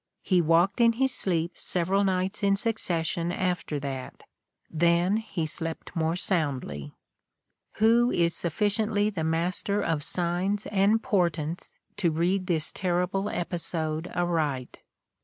He walked in his sleep several nights in succession after that. Then he slept more soundly." Who is sufficiently the master of signs and portents to read this terrible episode aright